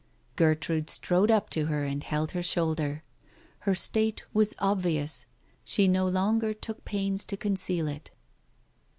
... Gertrude strode up to her and held her shoulder. Her state was obvious — she no longer took pains to conceal it.